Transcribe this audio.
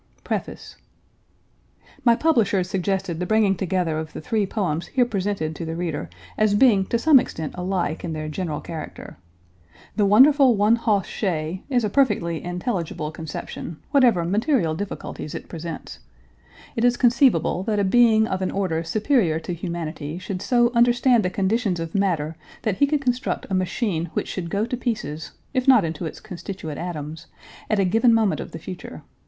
Preface My publishers suggested the bringing together of the three poems here presented to the reader as being to some extent alike in their general character. "The Wonderful One Hoss Shay" is a perfectly intelligible conception, whatever material difficulties it presents. It is conceivable that a being of an order superior to humanity should so understand the conditions of matter that he could construct a machine which should go to pieces, if not into its constituent atoms, at a given moment of the future.